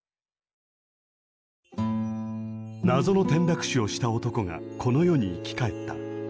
謎の転落死をした男がこの世に生き返った。